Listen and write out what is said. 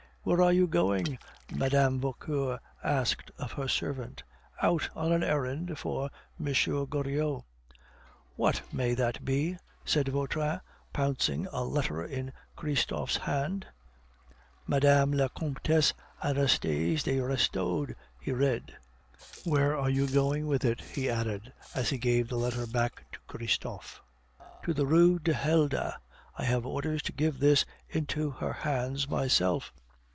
"Where are you going?" Mme. Vauquer asked of her servant. "Out on an errand for M. Goriot." "What may that be?" said Vautrin, pouncing on a letter in Christophe's hand. "Mme. la Comtesse Anastasie de Restaud," he read. "Where are you going with it?" he added, as he gave the letter back to Christophe. "To the Rue du Helder. I have orders to give this into her hands myself."